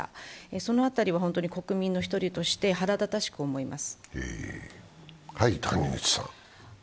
その辺りを国民の１人として腹立たしく思います。